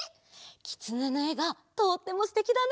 きつねのえがとってもすてきだね。